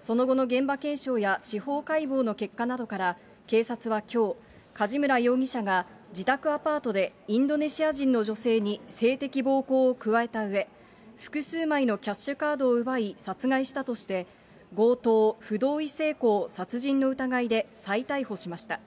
その後の現場検証や司法解剖の結果などから、警察はきょう、梶村容疑者が、自宅アパートでインドネシア人の女性に性的暴行を加えたうえ、複数枚のキャッシュカードを奪い、殺害したとして、強盗・不同意性交殺人の疑いで再逮捕しました。